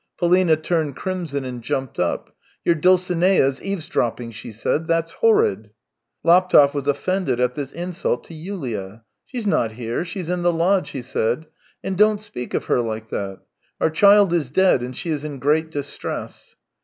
PoUna turned crimson and jumped up. " Your Dulcinea's eavesdropping," she said. " That's horrid !" Laptev was offended at this insult to Yulia. " She's not here; she's in the lodge," he said. " And don't speak of her like that. Our child is dead, and she is in great distress."